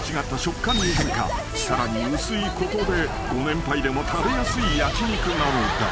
［さらに薄いことでご年配でも食べやすい焼き肉なのだ］